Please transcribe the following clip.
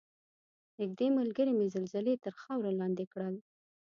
نږدې ملګرې مې زلزلې تر خاورو لاندې کړل.